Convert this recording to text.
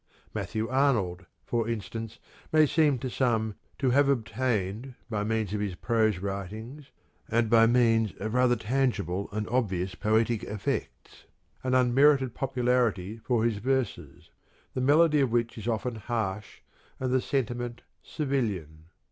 Matthew Arnold, for instance, may seem to some to have obtained by means of his prose writings, and by means of rather tangible and obvious poetic effects, an unmerited popularity for his verses, the melody of which is often harsh and the sentiment civilian.